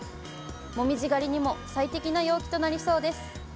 紅葉狩りにも最適な陽気となりそうです。